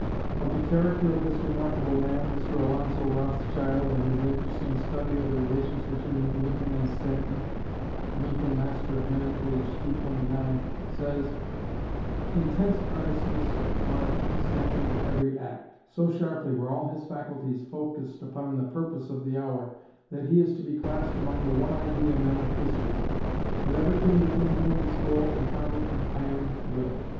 Of the character of this remarkable man, Mr. Alonzo Rothschild, in his interesting study of the relations between Lincoln and Stanton ("Lincoln, Master of Men," p. 229), says: "Intense earnestness marked Stanton's every act. So sharply were all his faculties focused upon the purpose of the hour that he is to be classed among the one idea men of history. Whatever came between him and his goal encountered an iron will....